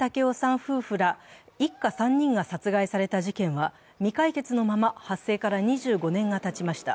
夫婦ら一家３人が殺害された事件は未解決のまま発生から２５年がたちました。